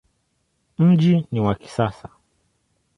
Mji ni wa kisasa.